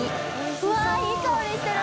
うわぁいい香りしてる！